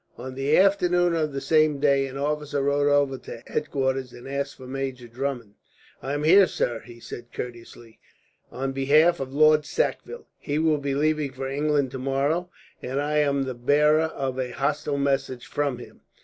On the afternoon of the same day, an officer rode over to headquarters and asked for Major Drummond. "I am here, sir," he said courteously, "on behalf of Lord Sackville. He will be leaving for England tomorrow, and I am the bearer of a hostile message from him.